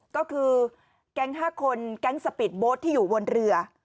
ก็คือแก๊ง๕คนแก๊งสปีดโบ๊ทที่อยู่บนเรือ